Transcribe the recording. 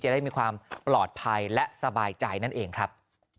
ได้มีความปลอดภัยและสบายใจนั่นเองครับ